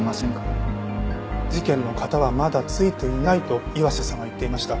事件の片はまだ付いていないと岩瀬さんは言っていました。